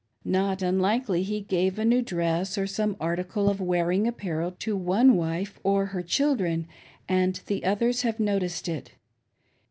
Not unlikely he gave a new dress or some article of wearing apparel to one wife or her children, and the others have noticed it.